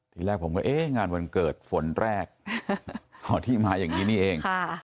ทีแรกผมก็เอ๊ะงานวันเกิดฝนแรกเอาที่มาอย่างนี้นี่เอง